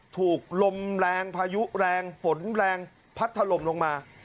ถูกลมแรงพายุแรงฝนแรงพัดถล่มลงมา